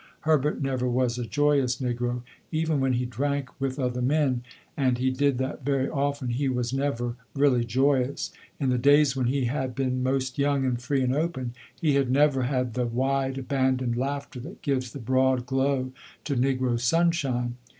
Herbert never was a joyous negro. Even when he drank with other men, and he did that very, often, he was never really joyous. In the days when he had been most young and free and open, he had never had the wide abandoned laughter that gives the broad glow to negro sunshine.